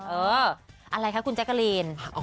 อะไรคะคุณแจ๊กกะลีน